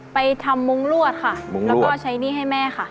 ไปทำมุ้งรวดค่ะแล้วก็ใช้หนี้ให้แม่ค่ะ